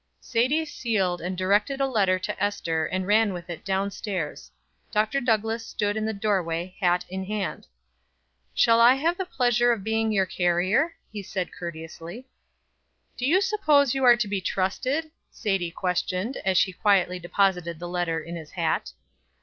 Sadie sealed and directed a letter to Ester and ran with it down stairs. Dr. Douglass stood in the doorway, hat in hand. "Shall I have the pleasure of being your carrier?" he said courteously. "Do you suppose you are to be trusted?" Sadie questioned, as she quietly deposited the letter in his hat.